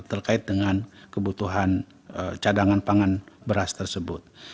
terkait dengan kebutuhan cadangan pangan beras tersebut